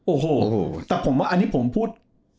โอ้โหแต่ผมว่าอันนี้ผมพูด